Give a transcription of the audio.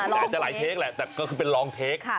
แหละจะหลายติดตามแหละแต่ก็คือเป็นลองติดตาม